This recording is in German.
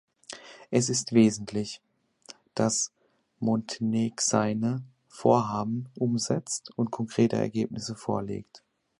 Es ist wesentlich, dass Montenegseine Vorhaben umsetzt und konkrete Ergebnisse vorlegt.